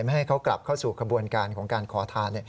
ให้เขากลับเข้าสู่ขบวนการของการขอทาน